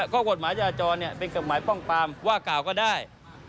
ก็กฎหมาจาจรเป็นแบบป้องปามว่ากาวก็ได้